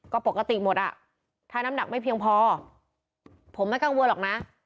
ก็ปกติหมดอ่ะถ้าน้ำหนักไม่เพียงพอผมไม่กังวลหรอกนะ